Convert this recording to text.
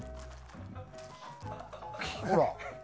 ほら。